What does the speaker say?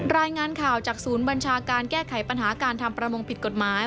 รายงานข่าวจากศูนย์บัญชาการแก้ไขปัญหาการทำประมงผิดกฎหมาย